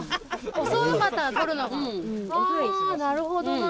あなるほどな。